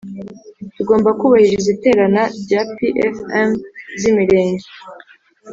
Tugomba kubahiriza iterana rya pfm z imirenge